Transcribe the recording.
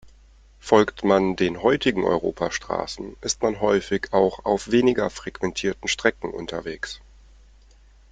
Folgt man den heutigen Europastraßen, ist man häufig auch auf weniger frequentierten Strecken unterwegs.